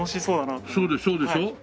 そうでしょ？